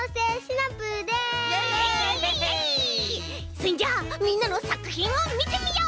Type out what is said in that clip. そんじゃあみんなのさくひんをみてみよう！